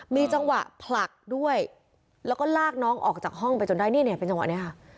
มีจังหวะผลักด้วยแล้วก็ลากน้องออกจากห้องไปจนได้นี่เนี่ยเป็นจังหวะนี้ค่ะ